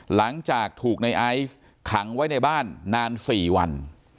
หลังจากถูกในไอซ์ขังไว้ในบ้านนาน๔วัน